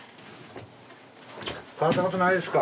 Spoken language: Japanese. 変わったことないですか？